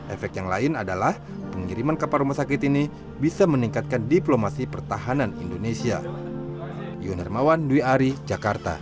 efek yang lain adalah pengiriman kapal rumah sakit ini bisa meningkatkan diplomasi pertahanan indonesia